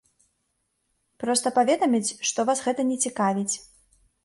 Проста паведаміць, што вас гэта не цікавіць.